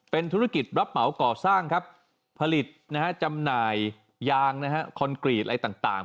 เป็นธุรกิจรับเหมาก่อสร้างครับผลิตจำหน่ายยางคอนกรีตอะไรต่าง